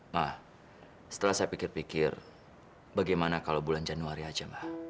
nah setelah saya pikir pikir bagaimana kalau bulan januari aja